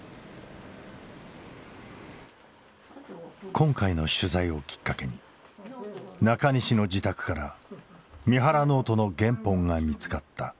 今回の取材をきっかけに中西の自宅から三原ノートの原本が見つかった。